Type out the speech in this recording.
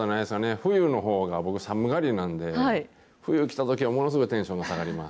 冬のほうが僕、寒がりなんで、冬来たときはものすごいテンション下がります。